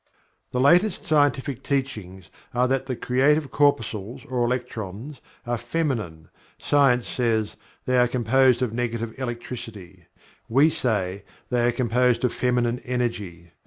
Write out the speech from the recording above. The latest scientific teachings are that the creative corpuscles or electrons are Feminine (science says "they are composed of negative electricity" we say they are composed of Feminine energy).